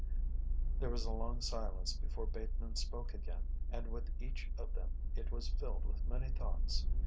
There was a long silence before Bateman spoke again, and with each of them it was filled with many thoughts.